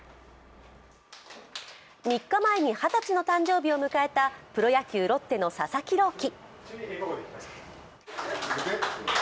３日前に二十歳の誕生日を迎えたプロ野球、ロッテの佐々木朗希。